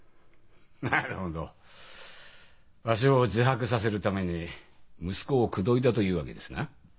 なるほどわしを自白させるために息子を口説いたというわけですな。